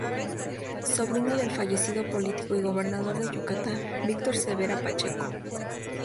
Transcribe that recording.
Sobrina del fallecido político y gobernador de Yucatán, Víctor Cervera Pacheco.